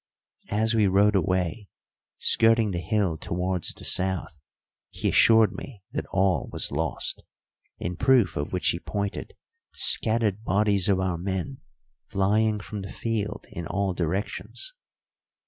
As we rode away, skirting the hill towards the south, he assured me that all was lost, in proof of which he pointed to scattered bodies of our men flying from the field in all directions.